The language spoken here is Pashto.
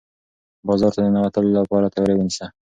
بازار ته د ننوتلو لپاره تیاری ونیسه.